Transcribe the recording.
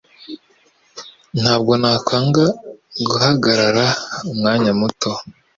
Ntabwo nakwanga guhagarara umwanya muto.